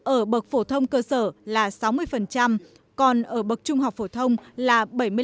ở bậc phổ thông cơ sở là sáu mươi còn ở bậc trung học phổ thông là bảy mươi năm